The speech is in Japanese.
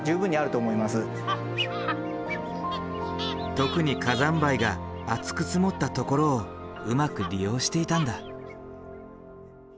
特に火山灰が厚く積もったところをうまく利用していたんだ。